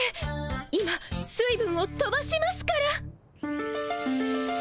今水分をとばしますから。